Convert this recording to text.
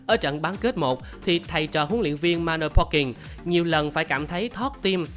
ở trận bán kết một thì thầy trò huấn luyện viên mano poking nhiều lần phải cảm thấy thót tim